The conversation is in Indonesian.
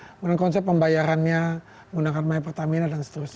menggunakan konsep pembayarannya menggunakan maya pertamina dan seterusnya